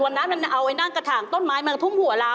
วันนั้นมันเอาไอ้นั่งกระถางต้นไม้มาทุ่มหัวเรา